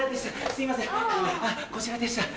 すいませんこちらでした。